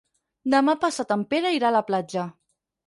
Demà passat en Pere irà a la platja.